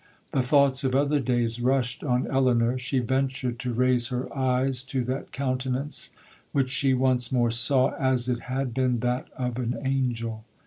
The thoughts of other days rushed on Elinor,—she ventured to raise her eyes to that countenance which she once more saw 'as it had been that of an angel.'